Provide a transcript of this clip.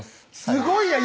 すごいやん！